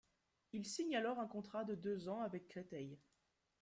Il signe alors un contrat de deux ans avec Créteil.